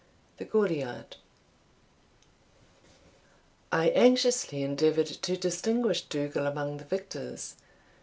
The Gaulliad. I anxiously endeavoured to distinguish Dougal among the victors.